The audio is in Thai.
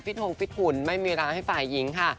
ทงฟิตหุ่นไม่มีเวลาให้ฝ่ายหญิงค่ะ